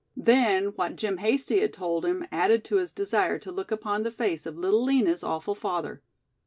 Then, what Jim Hasty had told him, added to his desire to look upon the face of Little Lina's awful father.